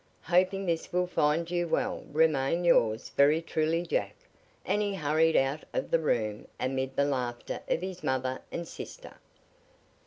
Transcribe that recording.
Hoping this will find you well, remain, yours very truly, Jack." And he hurried out of the room amid the laughter of his mother and sister.